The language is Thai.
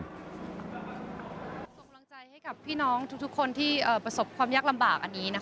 ส่งกำลังใจให้กับพี่น้องทุกคนที่ประสบความยากลำบากอันนี้นะคะ